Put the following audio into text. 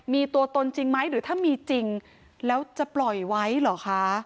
มีตัวตนจริงไหมหรือถ้ามีจริงแล้วจะปล่อยไว้เหรอคะ